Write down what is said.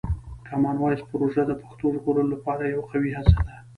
کامن وایس پروژه د پښتو د ژغورلو لپاره یوه قوي هڅه ده.